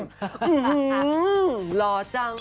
หุ่นหูนหล่อจัง